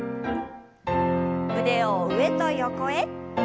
腕を上と横へ。